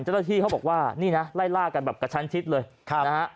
เจ้าหน้าที่เขาบอกว่านี่นะไล่ล่ากันแบบกระชั้นชิดเลยนะฮะ